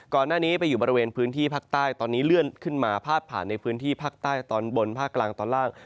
ก่อนหน้านี้ไปอยู่บริเวณพื้นที่ภาคใต้ตอนนี้เลื่อนขึ้นมาพาดผ่านในพื้นที่ภาคใต้ตอนบนภาคกลางตอนล่าง